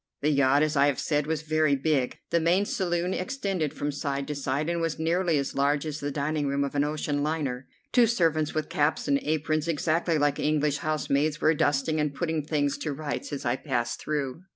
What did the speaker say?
The yacht, as I have said, was very big. The main saloon extended from side to side, and was nearly as large as the dining room of an ocean liner. Two servants with caps and aprons, exactly like English housemaids, were dusting and putting things to rights as I passed through.